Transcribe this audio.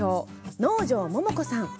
能條桃子さん。